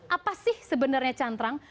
apa sih sebenarnya cantrang